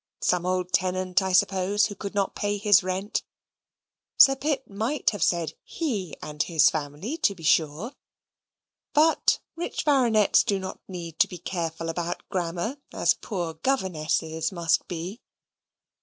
Some old tenant, I suppose, who could not pay his rent. Sir Pitt might have said "he and his family," to be sure; but rich baronets do not need to be careful about grammar, as poor governesses must be.